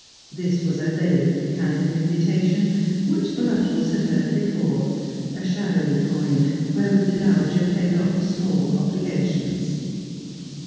This was a vague kind of invitation, which the Luttrells had heard before ; a shadowy coin, wherewith the dowager paid off small obligations.